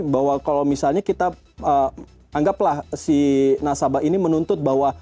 bahwa kalau misalnya kita anggaplah si nasabah ini menuntut bahwa